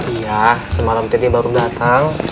iya semalam teh dia baru datang